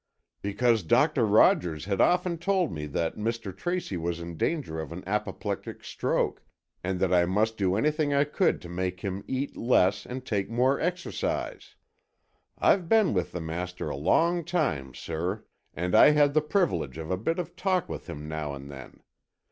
"Because Doctor Rogers had often told me that Mr. Tracy was in danger of an apoplectic stroke, and that I must do anything I could to make him eat less and take more exercise. I've been with the master a long time, sir, and I had the privilege of a bit of talk with him now and then.